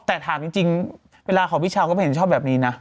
แต่ถามจริงเวลาของพี่ชาวก็ไม่เห็นชอบแบบนี้นะ